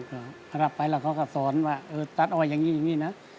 พอรับไปแล้วเขาก็สอนว่าตั๊ดอ้อยอย่างนี้นะ